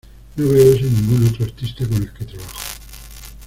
No veo eso en ningún otro artista con el que trabajo.